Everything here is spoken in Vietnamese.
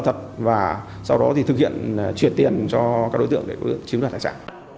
thật và sau đó thì thực hiện truyền tiền cho các đối tượng để chiếm đoàn hải sản